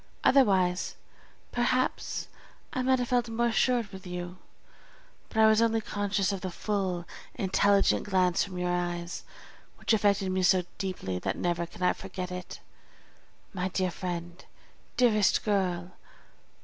Otherwise, perhaps, I might have felt more assured with you; but I was only conscious of the full, intelligent glance from your eyes, which affected me so deeply that never can I forget it. My dear friend! dearest girl!